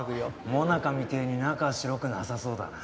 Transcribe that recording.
モナカみてえに中は白くなさそうだな。